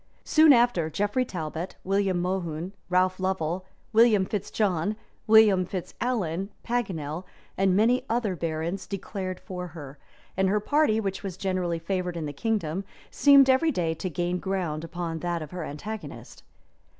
Soon after, Geoffrey Talbot, William Mohun, Ralph Lovell, William Fitz John, William Fitz Alan, Paganell, and many other barons, declared for her; and her party, which was generally favored in the kingdom, seemed every day to gain ground upon that of her antagonist.